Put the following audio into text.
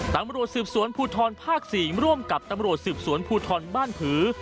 ตำรวจสืบสวนภูทรภาค๔ร่วมกับตำรวจสืบสวนภูทรบ้านผือ